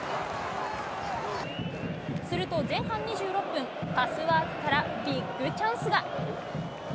すると前半２６分、パスワークからビッグチャンスが。